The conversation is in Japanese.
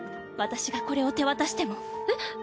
私がこれを手渡しても。